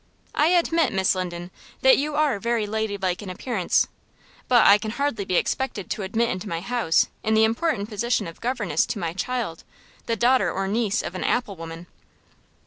I admit, Miss Linden, that you are very ladylike in appearance, but, I can hardly be expected to admit into my house, in the important position of governess to my child, the daughter or niece of an apple woman."